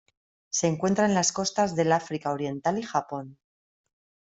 Se encuentra en las costas del África Oriental y Japón.